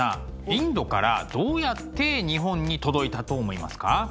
インドからどうやって日本に届いたと思いますか？